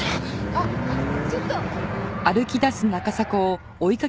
あっちょっと。